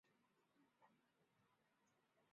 宪法不保证各地区的议席数额。